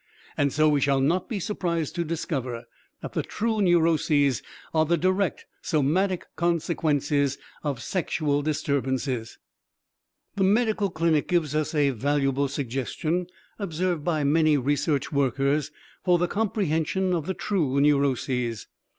And so we shall not be surprised to discover that the true neuroses are the direct somatic consequences of sexual disturbances. The medical clinic gives us a valuable suggestion (observed by many research workers) for the comprehension of the true neuroses.